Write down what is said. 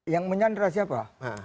yang menyandra siapa